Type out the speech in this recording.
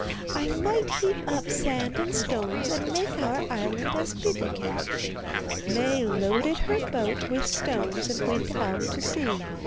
I might heap up sand and stones, and make our island as big again.' Maie loaded her boat with stones and went out to sea.